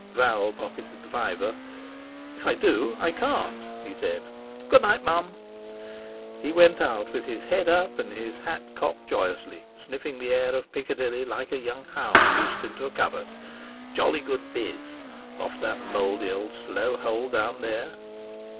Val pocketed the fiver. "If I do, I can't," he said. "Good night, Mum!" He went out with his head up and his hat cocked joyously, sniffing the air of Piccadilly like a young hound loosed into covert. Jolly good biz! After that mouldy old slow hole down there!